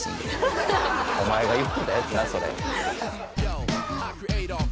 お前が言ってたやつなそれ。